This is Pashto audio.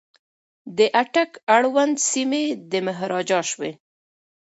د اټک اړوند سیمي د مهاراجا شوې.